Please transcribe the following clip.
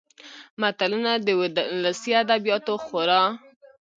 متلونه د ولسي ادبياتو خورا .